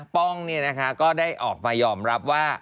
ป้องก็ได้ออกมายอมรับว่า